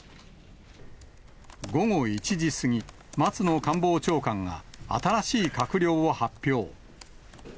午後１時過ぎ、松野官房長官が新しい閣僚を発表。